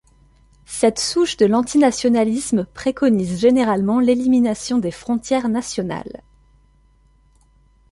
Cette souche de l'antinationalisme préconise généralement l'élimination des frontières nationales.